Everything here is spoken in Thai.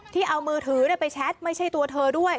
ที่เอามือถือไปแชทไม่ใช่ตัวเธอด้วย